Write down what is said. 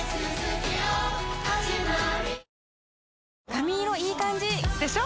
髪色いい感じ！でしょ？